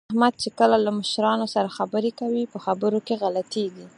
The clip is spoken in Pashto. احمد چې کله له مشرانو سره خبرې کوي، په خبرو کې غلطېږي